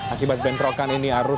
akibat bentrokan ini arus